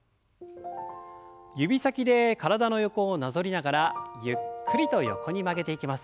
指先で体の横をなぞりながらゆっくりと横に曲げていきます。